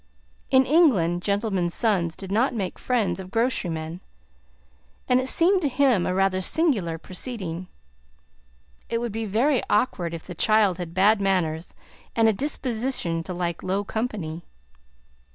In England, gentlemen's sons did not make friends of grocerymen, and it seemed to him a rather singular proceeding. It would be very awkward if the child had bad manners and a disposition to like low company.